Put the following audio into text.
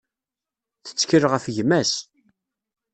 Tettkel ɣef gma-s.